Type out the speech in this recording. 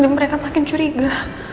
mereka makin curiga